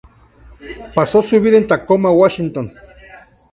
Pasó su vida en Tacoma, Washington.